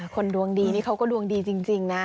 คนดวงดีนี่เขาก็ดวงดีจริงนะ